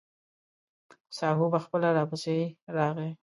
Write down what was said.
ساهو به خپله راپسې راغی.